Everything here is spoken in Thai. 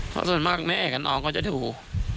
เพราะส่วนมากแม่กับน้องก็จะดู